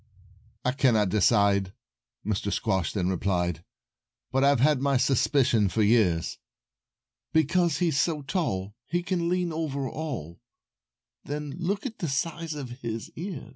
"I cannot decide," Mr. Squash then replied, "But I've had my suspicions for years; Because he's so tall He can lean over all; Then look at the size of his ears."